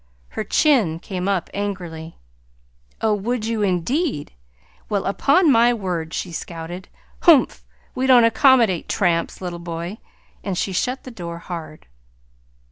Her chin came up angrily. "Oh, would you, indeed! Well, upon my word!" she scouted. "Humph! We don't accommodate tramps, little boy." And she shut the door hard.